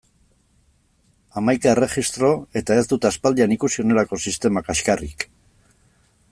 Hamaika erregistro eta ez dut aspaldian ikusi honelako sistema kaxkarrik!